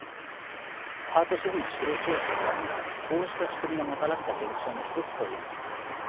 パート主婦の就労調整はこうした仕組みがもたらした現象の一つと言えます。